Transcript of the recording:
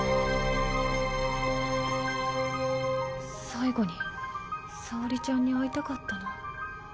最期に沙織ちゃんに会いたかったな。